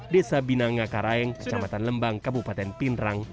desa binang ngakaraeng kecamatan lembang kabupaten pindrang